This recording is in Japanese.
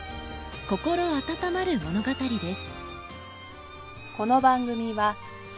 心温まる物語です。